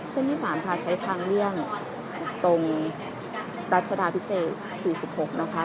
ที่๓ค่ะใช้ทางเลี่ยงตรงรัชดาพิเศษ๔๖นะคะ